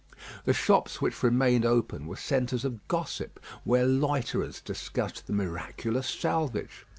The shops which remained open were centres of gossip, where loiterers discussed the miraculous salvage.